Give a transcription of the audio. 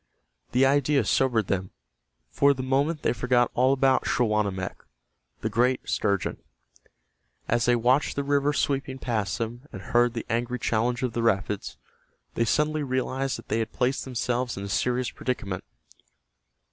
The idea sobered them. For the moment they forgot all about Schawanammek, the great sturgeon. As they watched the river sweeping past them, and heard the angry challenge of the rapids, they suddenly realized that they had placed themselves in a serious predicament.